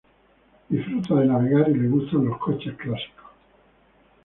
Disfruta de navegar y le gustan los coches clásicos.